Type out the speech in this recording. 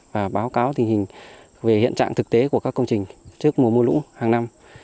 và báo cáo tình hình về hiện trạng thực tế của các công trình trước mùa mưa lũ hàng năm